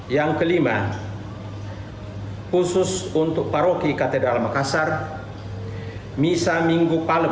yang kelima khusus untuk paroki katedral makassar misa minggu malam